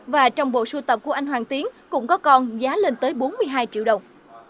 và trong bộ sưu tập của anh hoàng tiến cũng có con giá lên tới bốn mươi hai triệu đồng